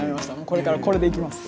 これからこれでいきます。